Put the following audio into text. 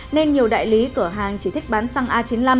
nên nhiều đại lý cửa hàng chỉ thích bán xăng a chín mươi năm